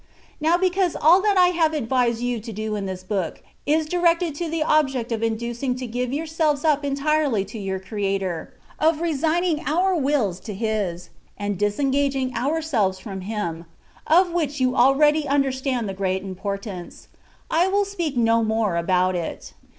Now because all that I have advised you to do in this book, is directed to the object of inducing to give yourselves up entirely to your Creator, of resigning our wills to His, and disen gaging ourselves from Him (of which you already understand the great importance), I will speak no more about it.